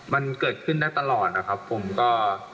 มันเกิดขึ้นได้ตลอดนะครับผมก็